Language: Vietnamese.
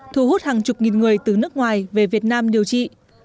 thu hút hàng chục nghìn người từ nước ngoài về việt nam điều trị